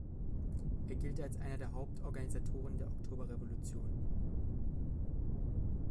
Er gilt als einer der Hauptorganisatoren der Oktoberrevolution.